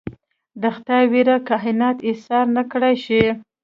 د خدای ویړ کاینات ایسار نکړای شي.